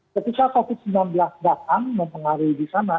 ketika covid sembilan belas datang mempengaruhi di sana